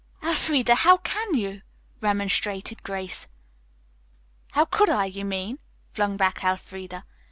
"Elfreda, how can you?" remonstrated Grace. "How could I, you mean," flung back Elfreda.